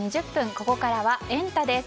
ここからはエンタ！です。